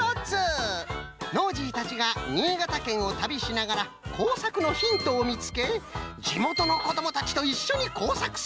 ノージーたちが新潟県を旅しながらこうさくのヒントをみつけじもとのこどもたちといっしょにこうさくする。